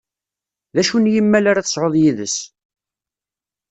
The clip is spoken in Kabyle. D acu n yimmal ara tesɛuḍ yid-s?